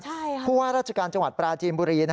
เพราะว่าราชการจังหวัดปราจีนบุรี